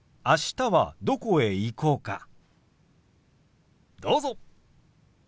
あしたはどこへ行こうか？